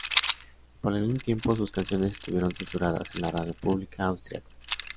Por algún tiempo sus canciones estuvieron censuradas en la radio pública austríaca.